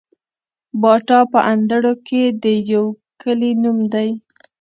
باټا په اندړو کي د يو کلي نوم دی